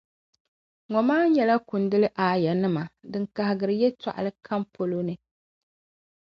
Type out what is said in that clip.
Ŋɔmaanim’ nyɛla kunduli aayanim’ din kahigiri yɛlli kam polo ni.